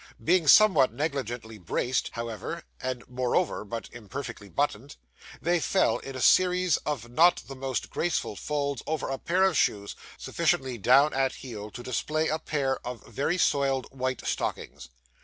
Being somewhat negligently braced, however, and, moreover, but imperfectly buttoned, they fell in a series of not the most graceful folds over a pair of shoes sufficiently down at heel to display a pair of very soiled white stockings.